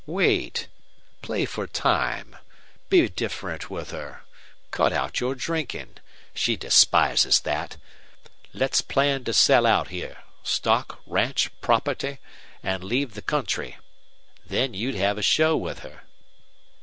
Wait. Play for time. Be different with her. Cut out your drinking. She despises that. Let's plan to sell out here stock, ranch, property and leave the country. Then you'd have a show with her."